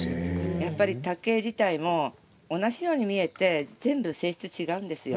やっぱり竹自体も、同じように見えて全部性質が違うんですよ。